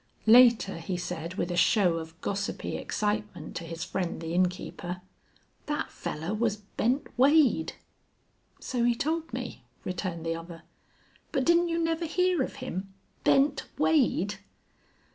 Later, he said with a show of gossipy excitement to his friend the innkeeper, "Thet fellar was Bent Wade!" "So he told me," returned the other. "But didn't you never hear of him? _Bent Wade?